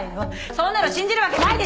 そんなの信じるわけないでしょ！